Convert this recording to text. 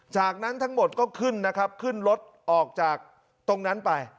จากนั้นทั้งหมดก็ขึ้นนะครับขึ้นรถออกจากตรงนั้นไป